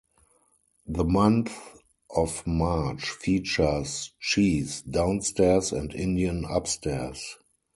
The month of March features Cheese downstairs and Indian upstairs.